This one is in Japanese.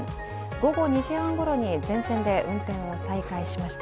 午後２時半ごろに、全線で運転を再開しました。